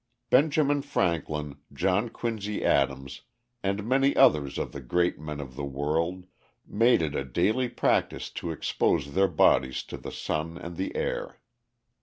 ] Benjamin Franklin, John Quincy Adams, and many others of the great men of the world, made it a daily practice to expose their bodies to the sun and the air.